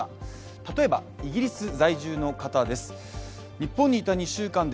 例えばイギリス在住の方です。